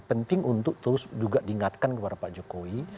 penting untuk terus juga diingatkan kepada pak jokowi